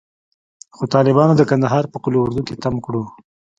خو طالبانو د کندهار په قول اردو کښې تم کړو.